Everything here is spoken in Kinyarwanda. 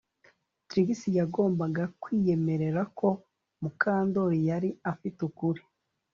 Trix yagombaga kwiyemerera ko Mukandoli yari afite ukuri